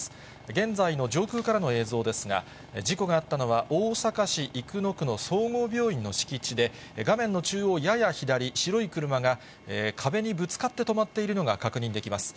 現在の上空からの映像ですが、事故があったのは、大阪市生野区の総合病院の敷地で、画面の中央やや左、白い車が壁にぶつかって止まっているのが確認できます。